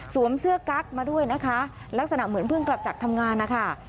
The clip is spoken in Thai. สวมเสื้อกั๊กมาด้วยลักษณะเหมือนเพิ่งกลับจากทำงาน